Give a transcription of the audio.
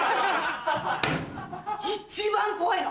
一番怖いの。